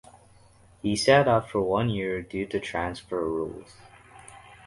He sat out for one year due to transfer rules.